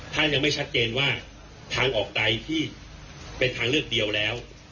ท่านยังไม่ชัดเจนว่าทางออกใดที่เป็นทางเลือกเดียวแล้ว